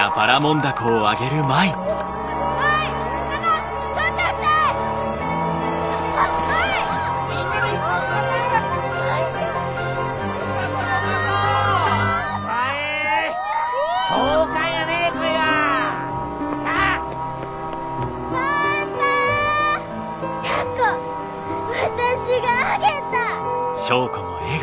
凧私があげた！